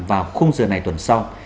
vào khung giờ này tuần sau